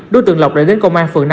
đối tượng lộc đã đến công an phường năm